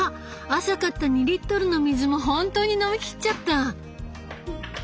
朝買った２リットルの水も本当に飲み切っちゃった！